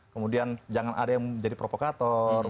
kemudian jangan ada yang menjadi provokator